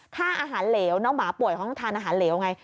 ค่าอาหารเหลวน้องหมาป่วยเขาต้องทานอาหารเหลวไง